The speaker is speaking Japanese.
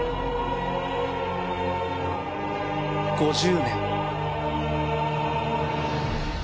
５０年。